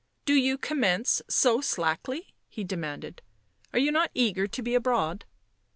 " Do you commence so slackly ?" he demanded. " Are you not eager to be abroad?"